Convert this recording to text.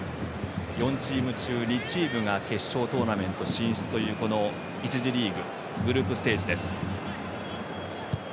４チーム中２チームが決勝トーナメント進出というこの１次リーググループステージです。